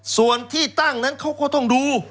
ส่วนที่ตั้งนั้นเขาก็ต้องดู